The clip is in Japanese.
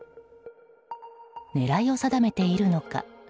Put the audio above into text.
狙いを定めているのか。